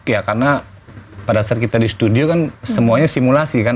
ya karena pada saat kita di studio kan semuanya simulasi kan